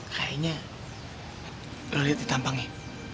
kayaknya lo lihat di tampangnya